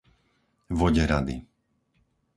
Voderady